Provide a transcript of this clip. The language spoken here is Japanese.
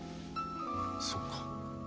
そうか。